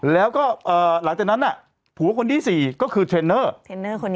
แล้วก็หลังจากนั้นผัวคนที่๔ก็คือเทรนเนอร์เทรนเนอร์คนนี้